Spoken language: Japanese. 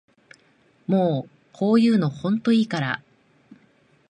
もうこういうのほんといいから